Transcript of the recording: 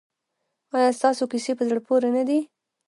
ایا ستاسو کیسې په زړه پورې نه دي؟